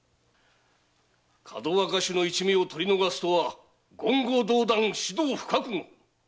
かどわかしの一味を取り逃がすとは言語道断士道不覚悟！